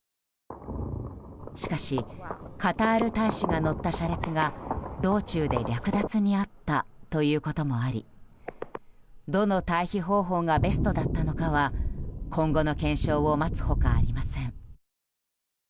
しかしカタール大使が乗った車列が道中で略奪にあったということもありどの退避方法がベストだったのかは今後の検証を待つ他ありません。